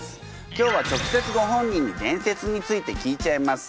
今日は直接ご本人に伝説について聞いちゃいます。